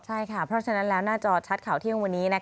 ใช่ค่ะเพราะฉะนั้นแล้วหน้าจอชัดข่าวเที่ยงวันนี้